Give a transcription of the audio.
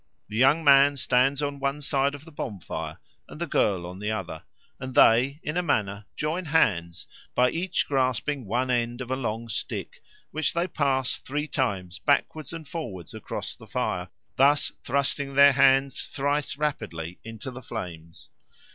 The young man stands on one side of the bonfire and the girl on the other, and they, in a manner, join hands by each grasping one end of a long stick, which they pass three times backwards and forwards across the fire, thus thrusting their hands thrice rapidly into the flames.